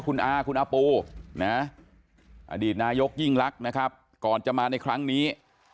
คุณอาคุณอาปูนะอดีตนายกยิ่งลักษณ์นะครับก่อนจะมาในครั้งนี้